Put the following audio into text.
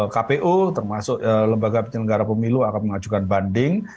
kpu termasuk lembaga penyelenggara pemilu akan mengajukan banding